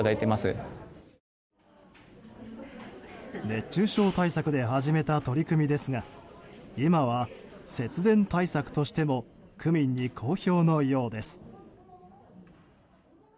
熱中症対策で始めた取り組みですが今は節電対策としても区民に公表のようです。